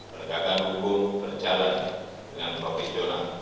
perlekatan hukum berjalan dengan berkejalan